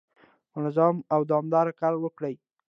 منظم او دوامداره کار وکړئ.